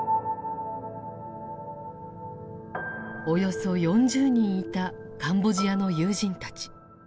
およそ４０人いたカンボジアの友人たち。